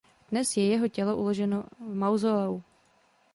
Dnes je jeho tělo uloženo v mauzoleu.